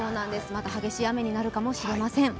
また激しい雨になるかもしれません。